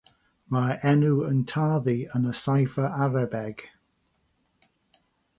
Mae'r enw yn tarddu yn y cifr Arabeg.